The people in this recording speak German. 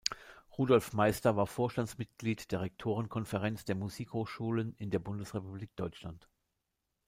Rudolf Meister war Vorstandsmitglied der Rektorenkonferenz der Musikhochschulen in der Bundesrepublik Deutschland.